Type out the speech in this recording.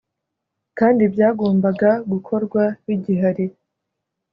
kandi ibyagombaga gukorwa bigihari